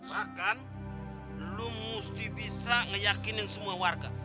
bahkan lu mesti bisa ngeyakinin semua warga